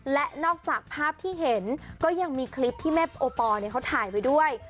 และนอกจากภาพที่เห็นก็ยังมีคลิปที่แม่โอปอลเขาถ่ายไว้ด้วย